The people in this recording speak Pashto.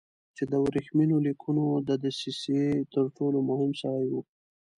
چې د ورېښمینو لیکونو د دسیسې تر ټولو مهم سړی و.